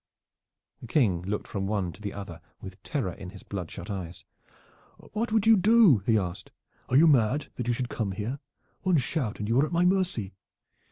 The King looked from one to the other with terror in his bloodshot eyes. "What would you do?" he asked. "Are you mad, that you should come here. One shout and you are at my mercy."